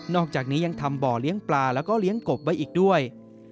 อกจากนี้ยังทำบ่อเลี้ยงปลาแล้วก็เลี้ยงกบไว้อีกด้วย